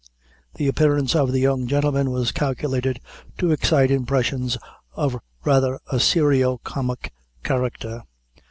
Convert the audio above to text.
The appearance of the young gentleman was calculated to excite impressions of rather a serio comic character.